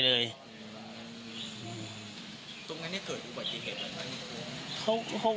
เลยอืมตรงนั้นเนี้ยเกิดอุบัติเหตุอะไรน่ะเขาเขา